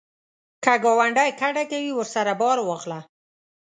که ګاونډی کډه کوي، ورسره بار واخله